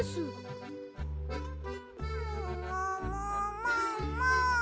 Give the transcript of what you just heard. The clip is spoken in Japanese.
ももももも。